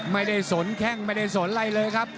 ไม่ได้สนแข้งไม่ได้สนไรเลยครับ